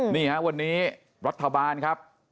นี่ฮะวันนี้รัฐบาลครับ